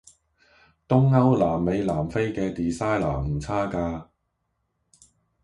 東歐南美南非既 designer 唔差架